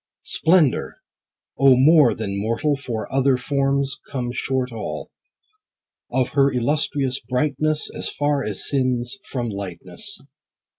Splendor ! O more than mortal For other forms come short all, Of her illustrious brightness As far as sin's from lightness.